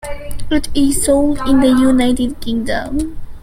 It is sold in the United Kingdom.